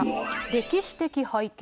歴史的背景。